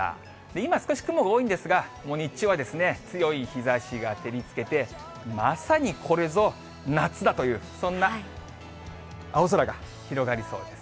今少し雲が多いんですが、日中は強い日ざしが照りつけて、まさにこれぞ、夏だという、そんな青空が広がりそうです。